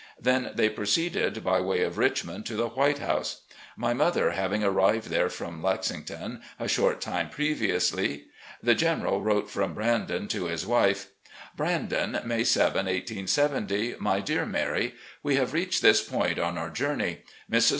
Then they proceeded by way of Richmond to the "White House," my mother having arrived there from Lexington a short time previously. The General wrote from " Brandon" to his wife: "'Brandon,' May 7, 1870. "My Dear Mary: We have reached this point on our journey. Mrs.